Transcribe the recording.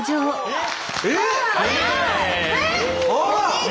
えっ！